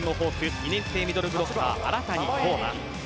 ２年生ミドルブロッカー荒谷柊馬。